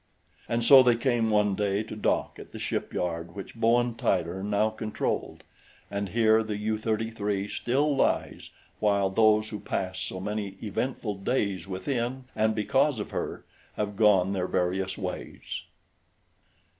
And so they came one day to dock at the shipyard which Bowen Tyler now controlled, and here the U 33 still lies while those who passed so many eventful days within and because of her, have gone their various ways.